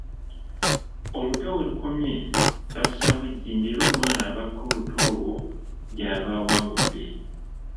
Oluta we lukomye, bassaawo ejjinja era omwana abaka oluta olwo yaaba awangudde.